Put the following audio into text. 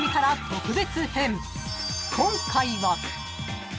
［今回は］